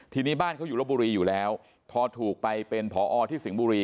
ทีนี้บ้านเขาอยู่ลบบุรีอยู่แล้วพอถูกไปเป็นผอที่สิงห์บุรี